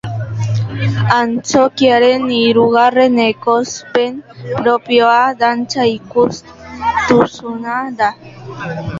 Antzokiaren hirugarren ekoizpen propioko dantza ikuskizuna da.